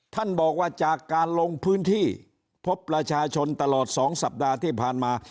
ท่านบอกว่าจากการลงพื้นที่พบประชาชนตลอด๒สัปดาห์ที่ผ่านมา